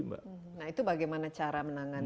mbak nah itu bagaimana cara menangannya